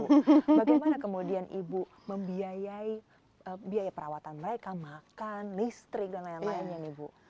bagaimana kemudian ibu membiayai biaya perawatan mereka makan listrik dan lain lainnya nih bu